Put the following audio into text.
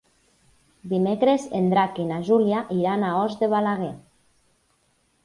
Dimecres en Drac i na Júlia iran a Os de Balaguer.